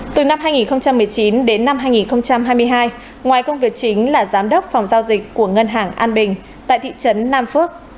từ năm hai nghìn một mươi chín đến năm hai nghìn hai mươi hai ngoài công việc chính là giám đốc phòng giao dịch của ngân hàng an bình tại thị trấn nam phước